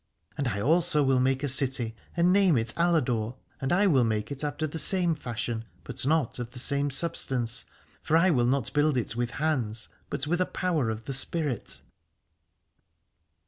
And I also will make a city and name it Aladore, and I will make it after the same fashion, but not of the same substance : for I will not build it with hands but with a power of the spirit.